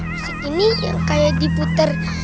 musik ini yang kayak diputar